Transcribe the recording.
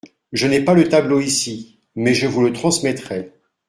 Je n’ai pas le tableau ici, mais je vous le transmettrai.